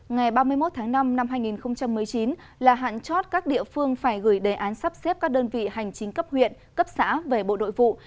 ngày ba mươi một tháng năm năm hai nghìn một mươi chín là hạn chót các địa phương phải gửi đề án sắp xếp các đơn vị hành chính cấp huyện cấp xã về bộ đội vụ